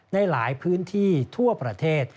ในหลายพื้นที่ทั่วประเทศ